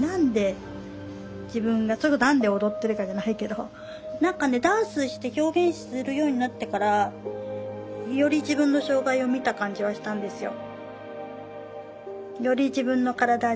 何で自分が何で踊ってるかじゃないけど何かねダンスして表現するようになってからより自分の障害を見た感じはしたんですよ。